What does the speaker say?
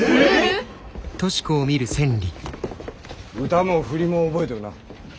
歌もフリも覚えてるな。